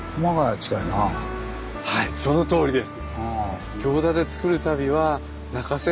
はいそのとおりです。